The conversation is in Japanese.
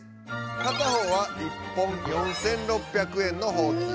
片方は１本４６００円のほうき。